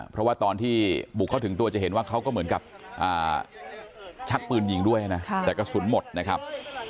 เพราะว่าตอนที่บุกเข้าถึงตัวจะเห็นว่าเขาก็เหมือนกับชักปืนยิงด้วยนะแต่กระสุนหมดนะครับ